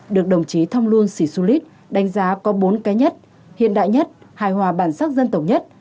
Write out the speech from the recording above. được đồng chí thông luân sĩ xu lít đánh giá có bốn cái nhất hiện đại nhất hài hòa bản sắc dân tộc nhất